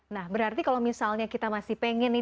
nah berarti kalau misalnya kita masih pengen nih